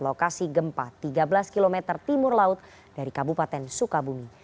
lokasi gempa tiga belas km timur laut dari kabupaten sukabumi